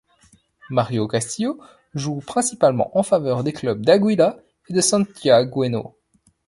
Mario Castillo joue principalement en faveur des clubs d'Águila et de Santiagueño.